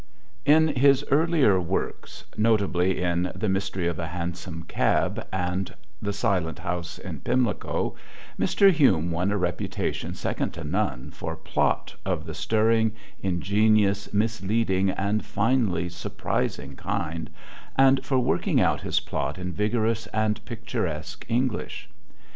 In his earlier works, notably in "The Mystery of a Hansom Cab" and "The Silent House in Pimlico," Mr. Hume won a reputation second to none for plot of the stirring, ingenious, misleading, and finally surprising kind, and for working out his plot in vigorous and picturesque English.